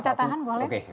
kita tahan boleh